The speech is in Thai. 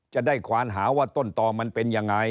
จะได้ขวานหาว่าต้นต่อมันเป็นยังไง